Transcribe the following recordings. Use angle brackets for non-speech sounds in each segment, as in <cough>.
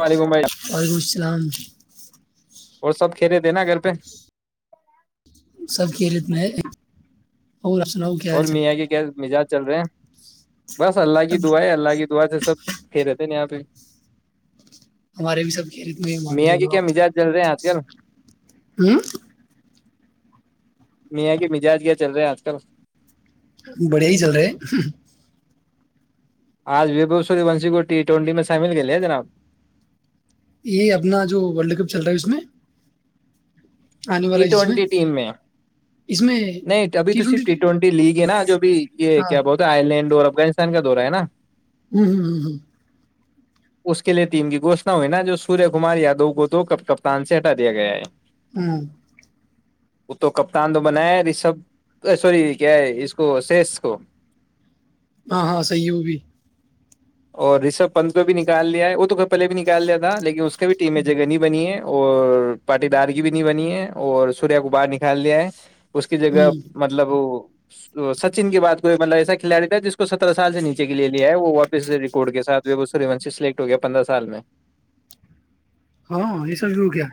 وعلیکم بھائی وعلیکم السلام <inaudible> اور سب کھی رہے تھے نا گھر پہ سب کےھی ریت میں ہے اور آپ سناؤ کیا اور حال چال میاں کے کیا مزاج چل رہے ہیں بس اللہ کی دعائیں اللہ کی دع سے سب کہہ دیتے نا یہاں پہ ہمارے بھی سب کھیلت میں ہی میاں مانتے کے ہو کیا آپ مزاج چل رہے ہیں آج کل ہ میاں کے مزاج کیا چل رہے ہیں آج کل بڑھیا ہی چل رہا ہے آج وو سور ونشی کو ٹی ٹوینٹی میں شامل کےے جناب یہ اپنا جو ورلڈ کپ چل رہا ہے اس میں آنے ٹی والا ہے جس ٹوینٹی ٹیم میں اس میں نہیں ابھی تو صرف ٹی ٹوینٹی لیگ ہے نا جو بھی یہ ہاں کیا بولتا آئرلینڈ اور افغانستان کا دورہ ہے نا ہ ہ ہ ہ <unintelligible> اس کے لیے ٹیم کی گوشنا ہوئی نا جو سوریہ کمار یادو کو دو کپتان سے ہٹا دیا گیا ہے ہاں وہ تو کپتان تو بنایا رشب سوری کیا ہے اس کو سیش کو ہاں ہاں صحیح ہے وہ بھی اور رشب پنت کو بھی نکال لیا ہے وہ تو کھر پہلے بھی نکال لیا تھا لیکن اس کو ک بھی ٹیم میں جگہ نہیں بنی ہے اور پاٹی دار کی بھی نہیں بنی ہے اور سوریہ کو باہر نکال دیا ہے اس کی جگہ ہوں، مطلب سچن کی بات کوئی مطلب ایسا کھلاڑی تھا جس کو سترہ سال سے نیچے کے لیے لیا ہے وہ اس ریکارڈ کے ساتھ وہ وہ سور وونشی سلیکٹ ہو گیا پندرہ سال میں ہاں یہ سب بھی ہو گ کیا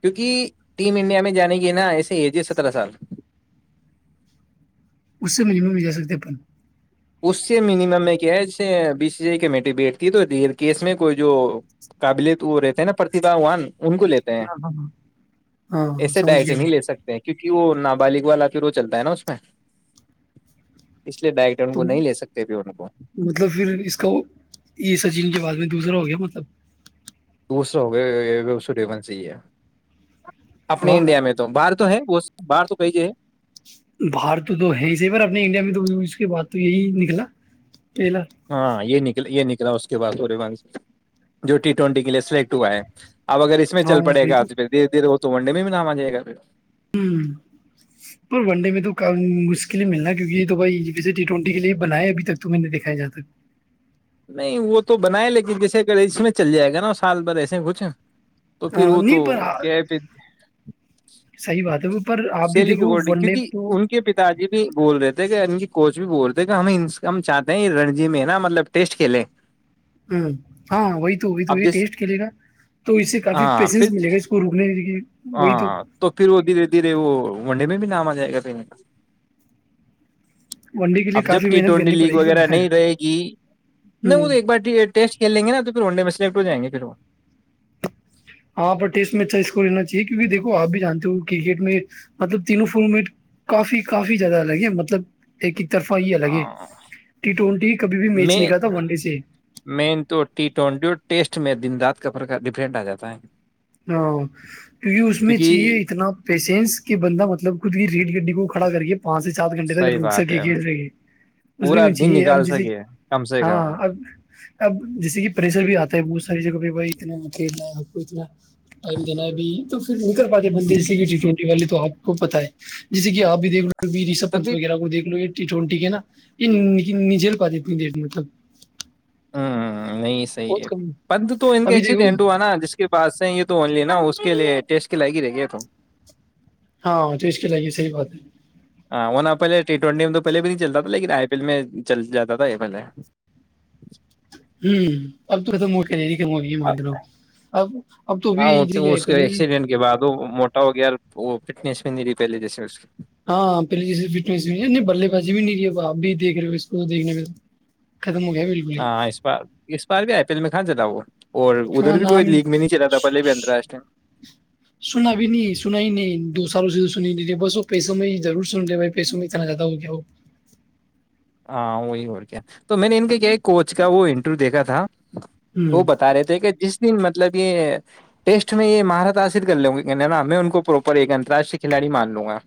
کیونکہ ٹیم انڈیا میں جانے کی نا ایسے ایج ہے سترہ سال اس سے ممم میں جا سکتے اپن اس سے مینمم میں کیا ہے جسے بی سی آ کمیٹی بیٹھتی ہے تو کیس میں کوئی جو قابلت وہ رہتا ہے نا پرتیھاان ان کو لیتے ہیں ہاں ہاں ہاں ہاں ایسے سمجھ ڈائٹ گیا نہیں میں لے سکتے کیونکہ وہ نابالغ والا پھر وہ چلتا ہے نا اس میں اس لیے ڈائریکٹ ان تو کو نہیں لے سکتے پھر ان کو مطلب پھر اس کا یہ سچین کے بعد میں دوسرا ہو گیا مطلب دوسرا ہو گیاوڈیون سے ہی ہے اپنے واہ انڈیا میں تو بارت تو ہے وہ باہر تو کہ ج ہے باہر تو تو ہے اسی پر اپنے انڈیا میں تو اس کے بعد تو یہی نکلا پہلا ہاں یہ نکل یہ نک اس کے بعی جو ٹی ٹوینٹی کے لیے سلیکٹ ہوا ہے اب اگر اس میں ہاں چل پڑ وہی گا تو پھرھیرے دھیرے تو ونڈے میں بھی نام آ جائے گا پھر ہ پر ون ڈے میں تو مشکل ہی ملنا کیونکہ یہ تو بھائی جسے ٹی ٹوینٹی کے لیے بنایا ابھی تک تو میں نے دکھایا جات سک نہیں وہ تو بنا ہے لیکن جیسے کہ اس میں چل جائے گا نا سال بھر ایسے کچھ تو پھر وہ تو نہیں پر کیا ہے پھر صحیح بات ہے وہ پر آپ بھی سیلی کے دیکھو اکارڈنگ ون کیونک ڈے میں تو ان کے پتا جی بھی بول رہے تھے ان کی کوچ بھی بولتے تھ ہم ہم چاہتے ہیں رنجی میں ہے نا مطلب ٹیسٹ کےل ہ ہاں وہی تو وہی تو وہی جس ٹیسٹ کرلے گا تو اس سے کافی ہاں پھر پیشنس ملے گا اس کو روکنے وہی تو ہاں توپ وہ دھیرے دھیرے وہ ونڈے میں بھی نام آ جائے گا پہنے کا ون ڈے کے لیے اب جب کافی ٹی محنت ٹوینٹی کرنی لیگ پڑے گی وغیرہ نہیں رہے گی نہیں ہ وہ تو ایک بار ٹیسٹ کھیل لیں گے نا تو پھر ون ڈے میں سے سلیکٹ ہو جائیں گے پھر وہ ہاں پر ٹیسٹ میں چائ اس کو لا چاہیے کیہ دیکو آپ بھی جانتے ہو کرکٹ میں مطلب تینوں فول مٹ کافی کافی زیادہ الگ ہے مطلب ایک طرفہ ہی الگ ہے ٹی ٹوینٹی کبھی بھی میچ میں نکالتا ون ڈے سے مین تو ٹی ٹوینٹی اور ٹیسٹ میں دن رات کا پر کا ڈفرینٹ آ جاتا ہے ہاں کیونکہ اس میں چاہیے کیونکہ اتنا پیشنس کہ بندہ مطلب خود کی ری گڈی کو کھڑا کے پانچ سے سات گھنٹے تک صحیح رک بات سکے ہے کھیل سے اس پورا میں دن چاہیے اب نکال جیسے سکے کم سے ہاں کم اب اب جیسے کہ پریشر بھی آتا ہے بہت ساری جگہ پہ بھائی اتنا کھیلنا ہے اتنا جناب تو گھر پاتے بند س گ جھے والی تو آپ کو پت ہے جیسے کہ آپ بھی دیک لو رشب پنت تبھی وغیرہ کو دیکھ لو یہ ٹون ٹییک ہے نا یہ نجے پات ت دیر میں توب ہوں نہیں صحیح ہے پد تو ان کا ابھی دیکھو ایکسیڈینٹ ہوا نا جس کے پع سے یہ تو اونلی نا اس کے لیے ٹیسٹ کے لائگ ہی رہ گی ہے تو ہاں تو اس کے لگے صحی بات ہے ہاں وہ ن پہلے ٹی ٹوینٹی میں تو پہلے بھی نہیں چلتا تھا لیکن آئی پی ایل میں چل جاتا تھا آ پہلے ہ اب توے سے موک نہیں ہوئی مان لو اب اب تو بھی ہاں وہ- اس پھر کے بھی ایکسیڈنٹ کے بعد وہ موٹا ہو گیا وہ فٹنس میں نہیں رہی پہلے جیسے اس کی ہاں پہلے جی فٹس نہیں بلے بازی بھی نہیں آپ بھی دیکھ رہے ہو اس کو دیکھنے میں ختم ہو گیا بالکل ہی ہاں اس بار اس بار بھی آئی پی ایل میں کہاں ج تھا وہ اور ہ ادھر بھی کوئی نام لیگ میں نہیں چلا تھا پہلے بھی انترراشٹریہ سنا بھی نہیں سنا ہی نہیں دو سالوں سے بس وہ پیسوں میں ضرور سن رہے بھائی پیسوں میں اتنا زیادا ہو کیا ہو ہاں وہی اور کیا تو میں نے ان کا کیا کوچ کا وہ انٹرویو دیکھا تھا تو ہوں وہ بتا رہے تھے کہ جس مطلب یہ ٹیسٹ میں یہ مہارت حاصل کر لیں گےا میں ان کو پروپر ایک انتراشٹری کھلاڑی مان لوں گا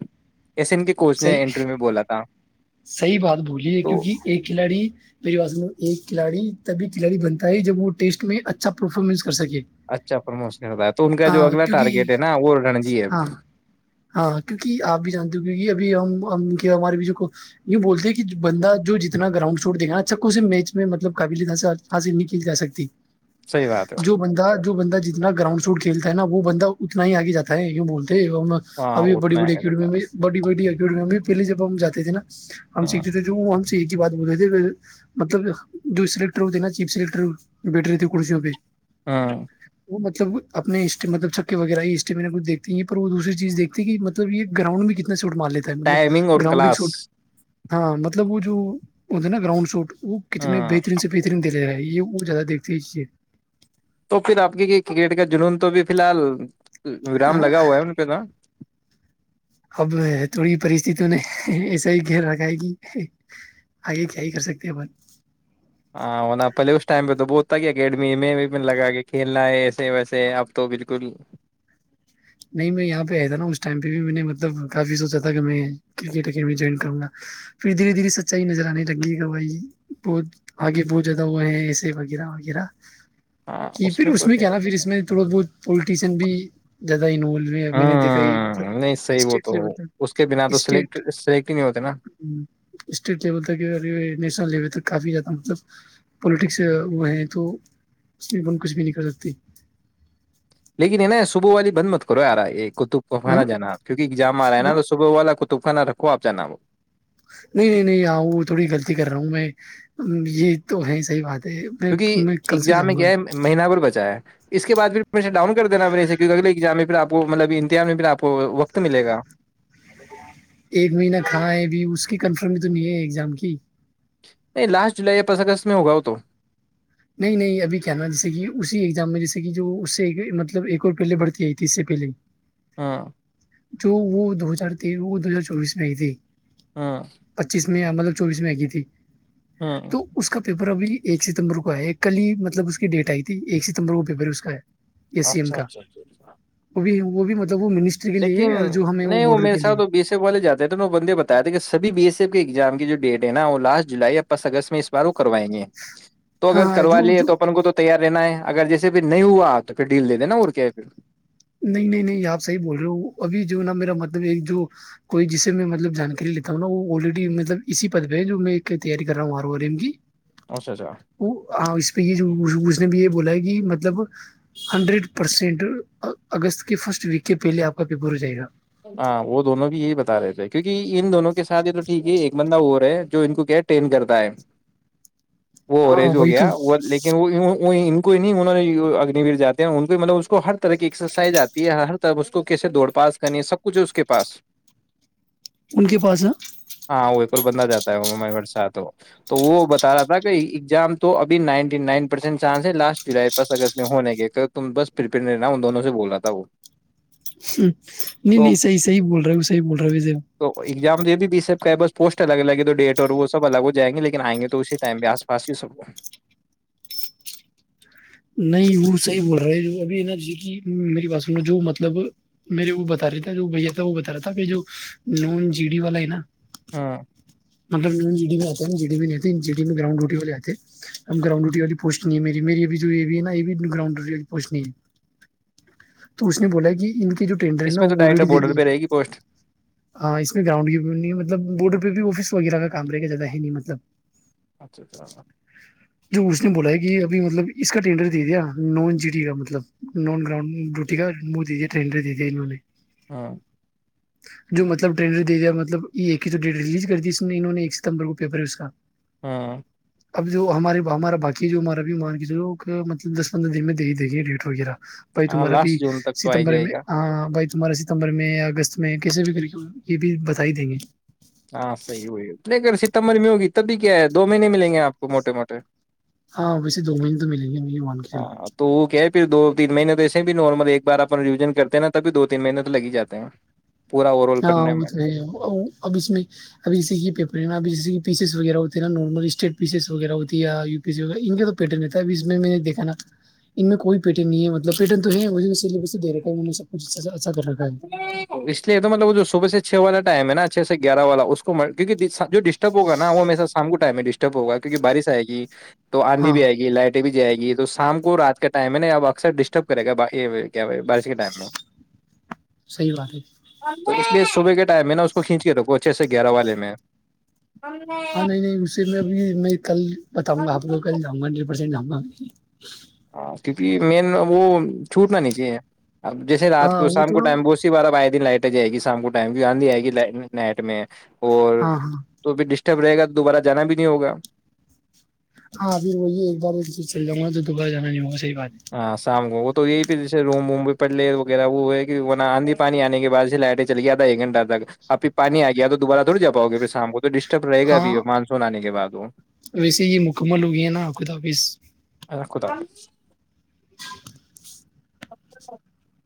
ایسین کے کوچ نے صحیح انٹرویو میں بولا تھا صحیح بات بولیے تو کیونکہ ایک کھلاڑی میری ب ایک کھلاڑی تبھی کھلاڑی بنتا ہے جب وہ ٹیسٹ میں اچھا پرفارمنس سکیے اچھا پرموشن ہوتا ہے تو ان کا جو ہاں اگلا کیونکہ ٹارگیٹ ہے نا وہ رنجی ہے ہاں ہاں کیونکہ آپ بھی جانتے ہو کیونکہ ا ہم ہمارے بھی جو یہ بولتے ہیں کہ بندہ جو جتنا گراؤنڈ چوڑ دے گا نا اچھا کوے میچ میں مطلب قابلیت حاصل نہیں کی جا سکتی صحی بات ہے <unintelligible> تھے ہاں ابھی بڑی اتنا بڑی کار میں بڑی بڑی ی میں بھی پہلی جب ہم جاتے تھ نا ہم شیکچت ج ہ <unintelligible> ایک ہی بات بول رہے تھے مطلب جو سلیکٹر ہو تھے نا چیف سلیکٹر بیٹھ رہے تھے کرسیوں پہ ہاں مطلب اپنےطب چھکے وغیرہ یہ اسٹے میں کچ دیکھتی ہے وہ دوسری چیز دیکتی ہے کہ مطل یہ گراؤنڈ بھی کتنا سے سوٹ مار لیتا ہے مطلب ٹائمنگ اور گراؤنگ کلاس سوٹ ہاں مطلب وہ جو وہ تھ نا گراؤنڈ سوٹ وہ کتنے ہاں بہترین سے بہترین دے رہے ہیں یہ وہ زیادہ دیکھتےے تو پھر آپ کے کرکٹ کا جنون تو بھی فی الحال و رام ہاں لگا ہوا ہے ان پہ تو اب تھوڑی پرستتتوں نے ایسا ہی خل رکھا ہے کہ آگے کیا ہی کر سکتے ہیں اپن ہنا پلیےگ اس ٹائم ب تو بہت س کی اکیڈمی میں بھی لگا کہ کھیلنا ہے ایسے ویسے اب تو بالکل نہیں میں یہاں پہ آیا تھا نا اس ٹائم پہ بھی میں نے مطلب کافی سوچا تھا کہ میں کرکٹ اکیڈمی جوائن کروں گا پھر دھیرے دھیرے سچائی نظر آنے لگی بھائی بہت آگے بہت زیادہ ہو ہیں ایسے وغیرہ وغیرہ کہ پھر اس میں کیا تھا پھر اس میں تھوڑا بہت پولٹیشن بھی دہ انوولو ہے میں نے دیکھا یہ مطلب ہوں نہیں صحیح وہ اسٹیٹ تو لیول تک اس کے بنا تو سلیکٹ اسٹیٹ سلیکٹ ہی نہیں ہوتے نا اسٹیٹ لیول تک نیشنل لیول تک کافی زیادہ مطلب پولیٹکس ہو ہیں تو اس کچھ بھی نہیں کر سکتے لیکن ہے نا صبح والی بند مت کرو یارا ایک ک تو ہاں پانا جانا کیونکگزام آ رہا ہاں؟ ہےا صبح والا توف کانا رکھو آپ ج نام نہیں نہیں نہیں آؤ تھوڑی غلطی کر رہا ہوں میں یہ تو ہے صحیح بات ہے میں کیونکہ میں کل سے اگزام جاؤں میں گا کیا ہے مہین پر بچا ہے اس کے بعد پھرمیشن ڈاؤن کر دینا پے کیونکہ اگے ایگزام میں پھر آپ کو مطلب امتحان میں پھر آپ کو وقت ملے گا ایک مہینہ کھا ہے ا بھی اس کی کنفرم تو نہیں ہے ایگزام کی نہیں لاسٹ جولائی یا پس اگست میں ہوگا وہ تو نہیں نہیں ابھی کیا نا جیسے کہ اسی ایگزام میں جیسے کہ جو اس سے مطلب ایک اور پہلے بڑھتی آئی تھی اس سے پہلے ہاں جو وہ دو ہزار ت وہ دو ہزار چوبیس میں ہی تھی ہاں پچیس میں مطلب چوبیس میں آئی کی تھی ہاں تو اس کا پ پر بھی یہ چتم رک ہے کل ہی مطلب اس کی ڈیٹ آئی تھی ایک ستمبر کو پیپر اس کا ہے ایس سی ایم اچھا کا اچھاچ جھ وہ بھی وہ بھی م لیکن نہیں وہ میرے کے ساتھ لیے وہ بیس والے جاتے تھ تو بندے بتاائے تھے کہ سب بی ایس کی اگزام کی جو ڈٹ ہے نا وہ لاٹ جولائی یا پس اگست میں اس بار وہ کروائیں گے تو ہاں اگر ہاں کروا جو لیے جو تو اپ کو تو تیار لین ہے اگر جیسے پھر نہیں ہوا تو پھر ڈیل دے دینا ا کے ہے پھر نہیں نہیں نہیں آپ صحی بول رہے ہو ابھی جو نا میرا مطلب ایک جو کوئی جسے میں مطلب جانکاری لیتا ہوں نا وہ آلریڈی مطلب اسی پد پہ ہے جو میں تیاری کر رہا ہوں آر ایم کی اچھا اچھا وہ ہاں اس پہ یہ جو پوچھنے بھی ہے بولا کہ مطلب ہنڈریڈ پرسینٹ اگست کے فرسٹ ویک کے پہلے آپ کا پیپر ہو جائے گا ہاں وہ دونوں بھی یہی بتا رہے تھے کیونکہ ان دونوں کے ساتھ یہ تو ٹھیک ہے ایک بندہ وہ ہے جو ان کو کیا ہے ٹین کرتا ہے وہ ہاں اوریج ہو وہی تو گیا وہ لیکن وہ ان کو ان نہیں انہوں اگنییر جاتے ہیں ان کو مطلب اس کو ہر طرح کی ایکسرسائز آتی ہے ہر طرح اس کو کیسے دوڑ پاس کہنی سب کچھ ہے اس کے پاس ان کے پاس ہے ہاں وہ بندا جاتا ہے ساتھ ہو تو وہ بتا رہا تھا کہ ایگزام تو ابھی ninety nine percent chance last فس اگ میں ہونے کے ت بس پپئر رہ ن دونوں سے بول رہا تھا وہ سچ نہیں تو نہیں صحیح صحی بول رہے صحی بول رہے ہو و تو ایگزام تو یہ بھی بیس ایپ بس پوسٹ الگ الگ ہے تو ڈیٹ اور وہ سب الگ ہو جائیں گے لیکن آئیں گے تو اسی ٹائم پ آس پاس ہی سب نہیں وہ صحیح بول رہے ہے جو ابھی نا جی میری بس جو مطلب میرے وہ بتا رہے تھا جو بھیا تھا وہ بتا رہا تھا کہ جو نون جی ڈی والا ہے نا ہاں مطلب ج ڈی میں آتا جی ڈی میں نہیں ڈی میں گرانڈ روٹی والے آتے اب گرانڈ روٹی والی پوسٹ نہیں ہے می میری بھیھی یہ بھی ہے نا یہ بھی گراؤنڈ ر پہنچنی ہے تو اس نے بولا کہ ان کو جو ٹینڈر ہے اس نا میں تو وہ ڈائریکٹ آلریڈی دے بارڈر دی پہ رہے گی پوسٹ ہاں اس میں گراؤنڈ کی مطلب بورڈ پہ آفس وغیرہ کام رہے گ زیادہ ہی نہیں مطلب اچھا اچھا جو اس نے بولایا کہ ابھی مطلب اس کا ٹینڈر دے دیا نان جیٹی کا مطلب ن گراؤنڈ کا دیا ٹڈر دے دیاہوں نے ہاں جو مطلب ٹنڈر دے دیا مطلب یہ ہی ڈیٹ ریلیز کر دی اس نے انہوں نے ایک ستمبر کو پیپر ہے اس کا ہاں اب جو ہمارے ہمارا بای جو ہمارا بھی م ج لوگ مطلب دس پندرہ دن میں د ہی دیں گے ریٹ وغیرہ بھائی ہاں تمہارا بھی لاسٹ جون تک تو آ ہی ستمبر جائے میں گا ہ بائی تمہارے ستمبر میں یا اگست میں کسی بھی طریقے یہ بھی بتا ہی دیں گے ہاں صحی وہی ہے لےگر ستمبر میں ہوگی تبھی کیا ہے دو مہینے ملیں گے آپ کو موٹے موٹے ہاں ویسے دو مین تو ملیں گی ہاں تو وہ کہ پھر دو تین مہینے تو ایسے بھی نارمل ایک بار اپ ریوژن کرتے ہیںا تبھی دو تین مہینے تو لگ ہی جاتے ہیں پورا اوور آل ہاں پڑھنے وہ میں تو ہے اب اس میں ابھی اسی کے پیپر ہے اب پیز وغ ہوتی نا نارمل اسٹی پیز وغیرہ ہوتی یایو پی و ان کا پیٹرن ہےتا ا اس میں نے دیکھا ان میں کوئی پیٹن نہیں ہےلب پٹن تو ہے دکھا ہے سبھ اس لیے مطلب وہ جو صبح سے چھ والا ٹائم ہے نا چھ سے گیارہ والا اس کو کیک جو ڈسٹرب ہوگ نا وہ میرےا شام کو ٹائم میں ڈسٹرب ہوگا کیکہ بارش آئے گی تو آندھی ہاں بھی آئے گی لائٹیں بھی جائے گی تو شام کو رات کے ٹائم میں نا اب اکثر ڈسٹرب کرے گا بارش کے ٹائم میں صحیح بات ہے تو اس لیے صبح کے ٹائم ہے نا اس کو کھینچ کے رو اچھے سے گیارہ والے میں ہاں نہیں نہیں اسی میں اب میں کل ب آپ کو ک جن <inaudible> کیونکہ مین وہ چھوٹ نہا نیچے اب جیسےات ہاں کو وہ شام تو کو ٹائمبوسی بارب آئے لائٹ آ جائے گی شام کو ٹائم کی آندھی آئے گی لائٹ نائٹ میں اور ہاں ہاں تو بھی ڈش ٹب رہے گا دوبارہ جانا بھی نہیں ہوگا ہاں پھر وہی ایک بار چ چلاؤں گا تو دوبار جانا نہیں ہوگا صحیح بات ہے ہاں سام گو تو یہی پ روم ووم پے وغیرہ وہ کہ آندھی پانی آنے کے بع لائٹیں چلیادا ایک گھٹہ تک اپھر پانی آ گیا تو دوبارہ تھوڑ جاؤے پھر شام کو تو ڈ ب رہے ہاں گابھی مانسون آنے کے بد ہلو <inaudible> ویسے یہ مکمل ہو گئی ہے نا خدافظ الکھود <inaudible>